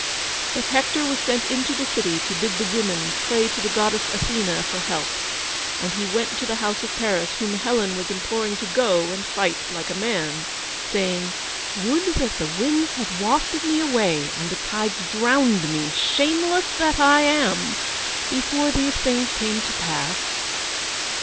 But Hector was sent into the city to bid the women pray to the goddess Athene for help, and he went to the house of Paris, whom Helen was imploring to go and fight like a man, saying: "Would that the winds had wafted me away, and the tides drowned me, shameless that I am, before these things came to pass!"